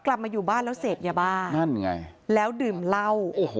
กลับมาอยู่บ้านแล้วเสพยาบ้านั่นไงแล้วดื่มเหล้าโอ้โห